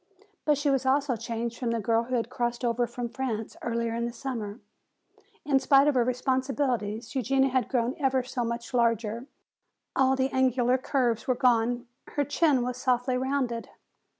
But she was also changed from the girl who had crossed over from France earlier in the summer. In spite of her responsibilities Eugenia had grown ever so much larger; all the angular curves were gone, her chin was softly rounded.